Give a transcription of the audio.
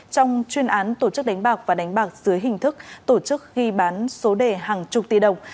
trong chuyên án tổ chức đánh bạc và đánh bạc dưới hình thức tổ chức ghi bán số đề hàng chục tỷ đồng